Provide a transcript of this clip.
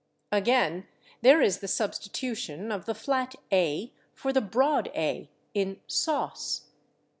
Again, there is the substitution of the flat /a/ for the broad /a/ in /sauce